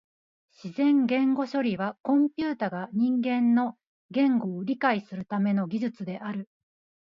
自然言語処理はコンピュータが人間の言語を理解するための技術である。